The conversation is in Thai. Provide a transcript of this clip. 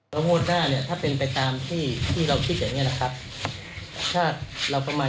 การลดค่าอีกทีจะไม่ได้